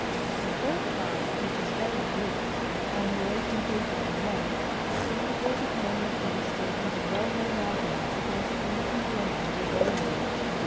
The third part, which is very brief, only GEOGRAPHIC LITERATURE 81 18 pages in length, is devoted mainly to re stating the well known argu ments against permitting the entrance of railroads.